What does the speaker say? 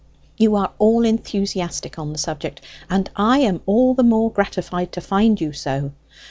"You are all enthusiastic on the subject, and I am all the more gratified to find you so.